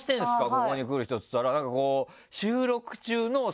ここに来る人」っつったら。